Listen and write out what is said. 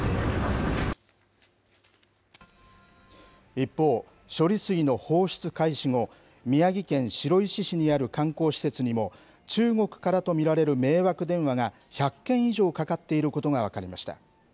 一方、処理水の放出開始後、宮城県白石市にある観光施設にも、中国からと見られる迷惑電話が１００件以上かかっていることが分かりました。